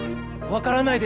分からない